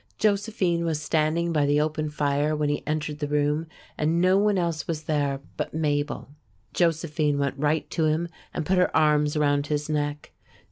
Josephine was standing by the open fire when he entered the room, and no one else was there but Mabel. Josephine went right to him and put her arms around his neck.